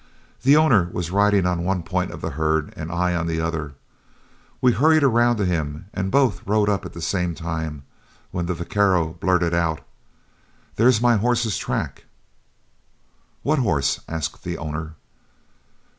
The owner was riding on one point of the herd and I on the other. We hurried around to him and both rode up at the same time, when the vaquero blurted out, 'There's my horse's track.' "'What horse?' asked the owner.